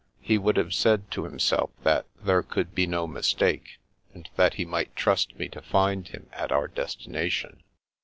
He would have said to himself that there could be no mistake, and that he might trust me to find him at our destination.